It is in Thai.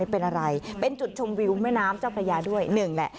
เป็นอะไรเป็นจุดชมวิวแม่น้ำเจ้าพระยาด้วยหนึ่งแหละ